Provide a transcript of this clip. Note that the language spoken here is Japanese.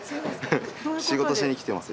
仕事しに来てます